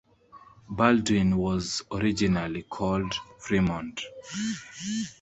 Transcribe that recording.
Baldwin was originally called Fremont.